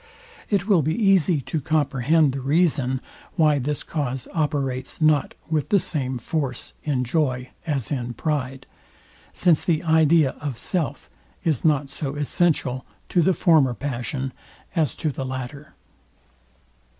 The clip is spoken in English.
It will be easy to comprehend the reason, why this cause operates not with the same force in joy as in pride; since the idea of self is not so essential to the former passion as to the latter.